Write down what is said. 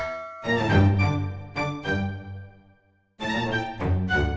nanti kita beli